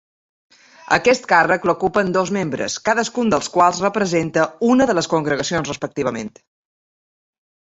Aquest càrrec l'ocupen dos membres, cadascun dels quals representa a una de les congregacions respectivament.